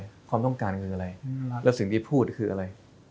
จำการเงินอะไรแล้วสิ่งดีพูดคืออะไร